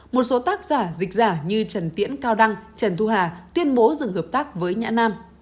một số tác giả dịch giả như trần tiễn cao đăng trần thu hà tuyên bố dừng hợp tác với nhã nam